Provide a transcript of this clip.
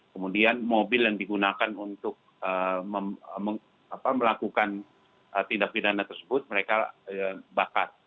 kemudian mobil yang digunakan untuk melakukan tindak pidana tersebut mereka bakat